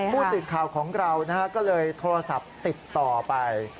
ผู้สื่อข่าวของเราก็เลยโทรศัพท์ติดต่อไป